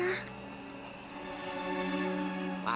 kok nisa gak nyalain lampu ya